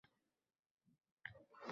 O‘z bolasiday papalab, oq yuvib, oq taradi